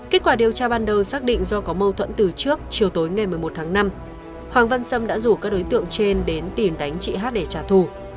kết quả điều tra ban đầu xác định do có mâu thuẫn từ trước chiều tối ngày một mươi một tháng năm hoàng văn sâm đã rủ các đối tượng trên đến tìm đánh chị hát để trả thù